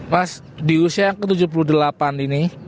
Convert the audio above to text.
mas di usia yang ke tujuh puluh delapan ini